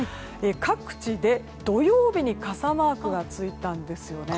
各地で土曜日に傘マークがついたんですよね。